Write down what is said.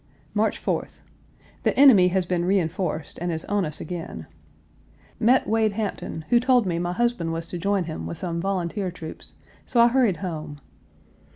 March 4th. The enemy has been reenforced and is on us again. Met Wade Hampton, who told me my husband was to join him with some volunteer troops; so I hurried home.